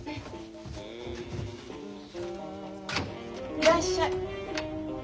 いらっしゃい。